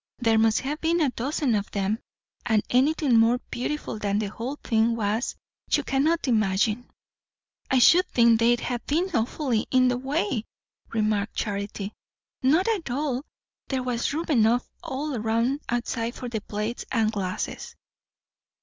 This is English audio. There must have been a dozen of them; and anything more beautiful than the whole thing was, you cannot imagine." "I should think they'd have been awfully in the way," remarked Charity. "Not at all; there was room enough all round outside for the plates and glasses."